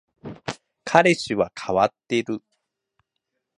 彼氏は変わっている